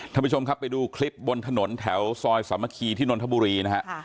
ท่านผู้ชมครับไปดูคลิปบนถนนแถวซอยสามัคคีที่นนทบุรีนะฮะ